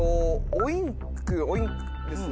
オインクオインクですね。